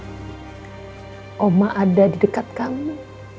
oma ada di dekat kamu